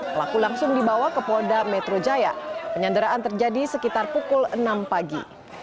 pelaku langsung dibawa ke polda metro jaya penyanderaan terjadi sekitar pukul enam pagi